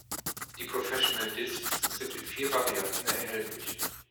Die "Professional Discs" sind in vier Varianten erhältlich.